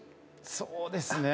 そうですね